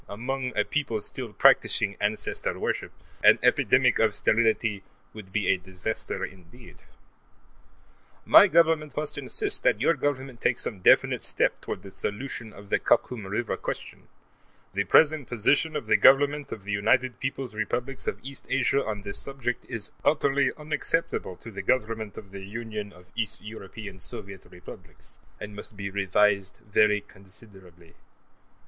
Among a people still practicing ancestor worship, an epidemic of sterility would be a disaster indeed. My Government must insist that your Government take some definite step toward the solution of the Khakum River question; the present position of the Government of the United Peoples' Republics of East Asia on this subject is utterly unacceptable to the Government of the Union of East European Soviet Republics, and must be revised very considerably.